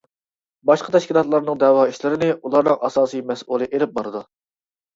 باشقا تەشكىلاتلارنىڭ دەۋا ئىشلىرىنى ئۇلارنىڭ ئاساسىي مەسئۇلى ئېلىپ بارىدۇ.